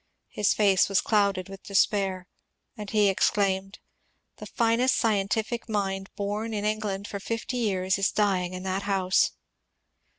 His face was clouded with despair, and he ex claimed, " The finest scientific mind bom m Enghind for fifty years is dying in that house."